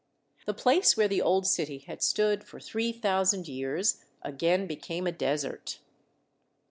The place where the old city had stood for three thousand years again became a desert.